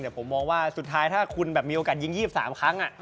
แต่ผมมองว่าสุดท้ายถ้าคุณแบบมีโอกาสยิง๒๓ครั้ง